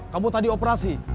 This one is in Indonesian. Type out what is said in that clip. kamu tadi operasi